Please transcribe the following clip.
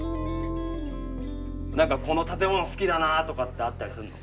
何かこの建物好きだなとかってあったりするの？